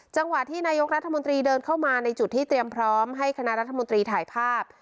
จังหวะที่นายกรัฐมนตรีเดินเข้ามาในจุดที่เตรียมพร้อมให้คณะรัฐมนตรีถ่ายภาพ